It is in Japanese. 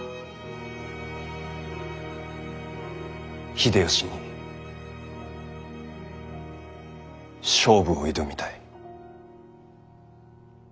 秀吉に勝負を挑みたい。